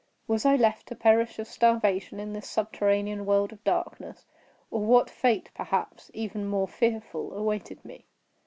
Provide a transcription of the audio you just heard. Was I left to perish of starvation in this subterranean world of darkness; or what fate, perhaps even more fearful, awaited me?